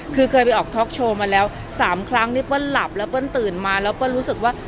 คือเคยไปออกท็อกโชว์มาแล้ว๓ครั้งที่เปิ้ลหลับแล้วเปิ้ลตื่นมาแล้วเปิ้ลรู้สึกว่า